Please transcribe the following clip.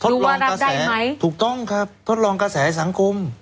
ทดลองกระแสไหมถูกต้องครับทดลองกระแสสังคม